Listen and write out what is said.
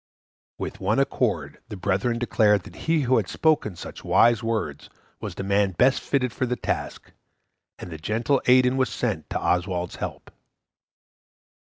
With one accord the brethren declared that he who had spoken such wise words was the man best fitted for the task, and the gentle Aidan was sent to Oswald's help.